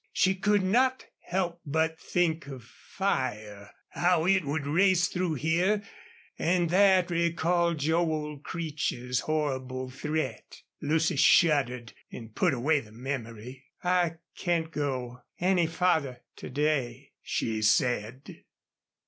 She could not help but think of fire how it would race through here, and that recalled Joel Creech's horrible threat. Lucy shuddered and put away the memory. "I can't go any farther to day," she said.